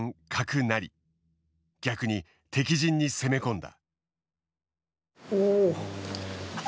逆に敵陣に攻め込んだ。